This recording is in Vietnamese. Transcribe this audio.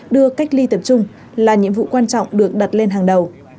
đưa cách ly tập trung là nhiệm vụ quan trọng được đặt lên hàng đầu